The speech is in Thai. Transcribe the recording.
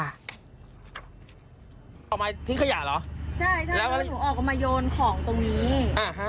เอามาทิ้งขยะเหรอใช่ใช่แล้วอะไรหนูออกมาโยนของตรงนี้อ่าฮะ